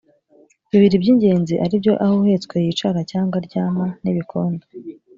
bibiri by’ingenzi ari byo aho uhetswe yicara cyangwa aryama n’ibikondo